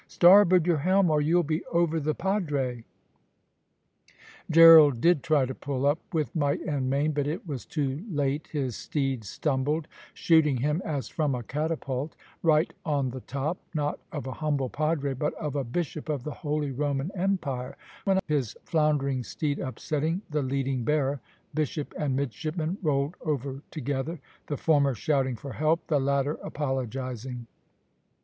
"Starboard your helm, or you'll be over the padre." Gerald did try to pull up with might and main, but it was too late, his steed stumbled, shooting him as from a catapult, right on the top not of a humble padre, but of a bishop of the holy Roman Empire, when his floundering steed upsetting the leading bearer, bishop and midshipman rolled over together, the former shouting for help, the latter apologising.